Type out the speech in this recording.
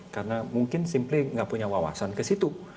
karena mungkin simply nggak punya wawasan ke situ